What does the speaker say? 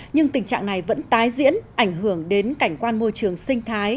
nhưng tình trạng này vẫn tái diễn ảnh hưởng đến cảnh quan môi trường sinh thái